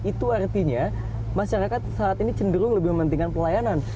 itu artinya masyarakat saat ini cenderung lebih mementingkan pelayanan